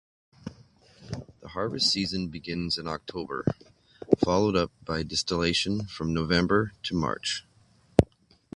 The harvest season begins in October, followed up by distillation from November to March.